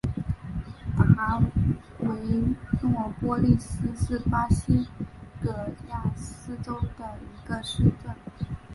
达维诺波利斯是巴西戈亚斯州的一个市镇。